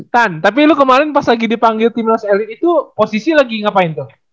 tan tapi lu kemarin pas lagi dipanggil tim nasi elit itu posisi lagi ngapain tuh